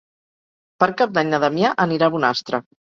Per Cap d'Any na Damià anirà a Bonastre.